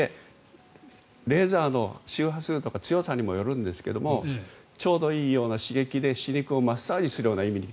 レーザーの周波数とか強さにもよるんですけどちょうどいいような刺激で歯肉をマッサージするような意味で